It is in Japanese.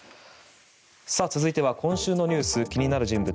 続いては今週のニュース気になる人物